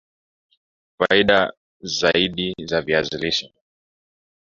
faida zaidi za viazi vingine